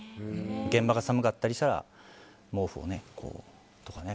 現場が寒かったりしたら毛布をとかね。